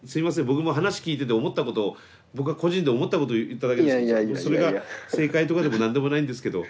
僕も話を聞いてて思ったことを僕は個人で思ったことを言っただけですけどそれが正解とかでも何でもないんですけど。